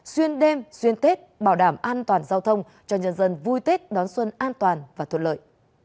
sau một mươi năm ngày gia quân thực hiện cao điểm bảo đảm trật tự an toàn giao thông trật tự xã hội